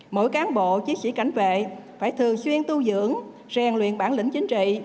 mỗi cán bộ chiến sĩ cảnh vệ phải thường xuyên tu dưỡng rèn luyện bản lĩnh chính trị